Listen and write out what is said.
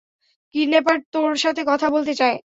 Kidnapper তোর সাথে কথা বলতে চায়।